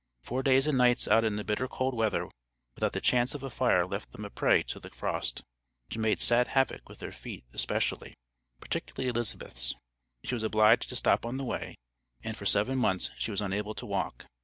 Four days and nights out in the bitter cold weather without the chance of a fire left them a prey to the frost, which made sad havoc with their feet especially particularly Elizabeth's. She was obliged to stop on the way, and for seven months she was unable to walk.